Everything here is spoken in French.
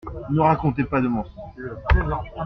Ne racontez pas de mensonges.